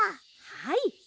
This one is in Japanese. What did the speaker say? はい。